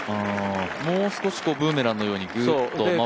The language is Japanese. もう少しブーメランのように曲がってくる？